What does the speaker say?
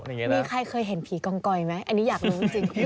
มีใครเคยเห็นผีกองกอยไหมอันนี้อยากรู้จริง